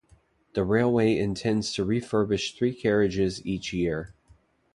The railway intends to refurbish three carriages each year.